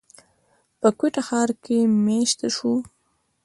پۀ کوئټه ښار کښې ميشته شو،